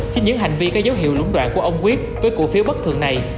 trên những hành vi có dấu hiệu lũng đoạn của ông quyết với cổ phiếu bất thường này